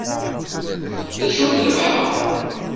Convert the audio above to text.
D acu i d-rebḥeɣ?